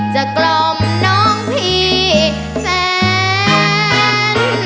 กล่อมน้องพี่แสน